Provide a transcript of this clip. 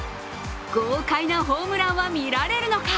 豪快なホームランは見られるのか。